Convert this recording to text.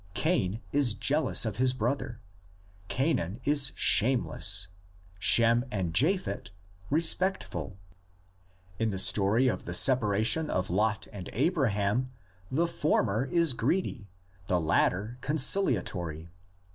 Cain is jealous of his brother, Canaan is 54. THE LEGENDS OF GENESIS. shameless, Shem and Japhet respectful. In the story of the separation of Lot and Abraham, the former is greedy, the latter conciliatory.